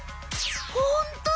ホント！